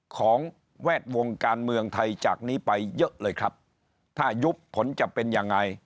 แวดวงการเมืองไทยจากนี้ไปเยอะเลยครับถ้ายุบผลจะเป็นยังไง